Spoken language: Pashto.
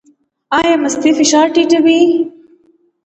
ایا مستې فشار ټیټوي؟